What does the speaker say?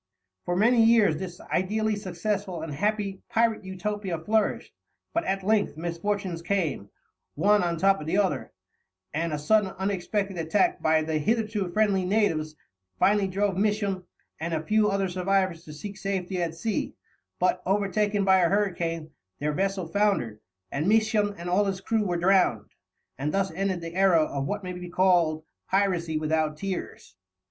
For many years this ideally successful and happy pirate Utopia flourished; but at length misfortunes came, one on top of the other, and a sudden and unexpected attack by the hitherto friendly natives finally drove Misson and a few other survivors to seek safety at sea, but, overtaken by a hurricane, their vessel foundered, and Misson and all his crew were drowned; and thus ended the era of what may be called "piracy without tears."